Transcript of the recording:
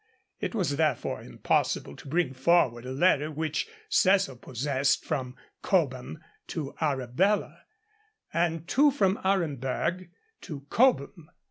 It was therefore impossible to bring forward a letter which Cecil possessed from Cobham to Arabella, and two from Aremberg to Cobham.